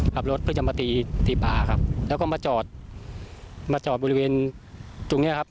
ขับรถเพื่อจะมาตีตีปลาครับแล้วก็มาจอดมาจอดบริเวณตรงเนี้ยครับ